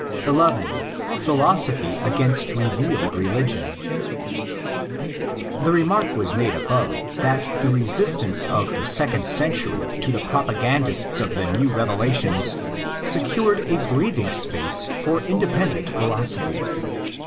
11.—Philosophy against Revealed Religion. The remark was made above that the resistance of the second century to the propagandists of new revela tions secured a breathing space for independent philo sophy.